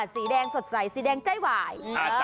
สีแดงสดใสสีแดงใจหวาย